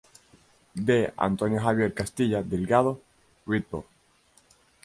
D. Antonio Javier Castilla Delgado, Rvdo.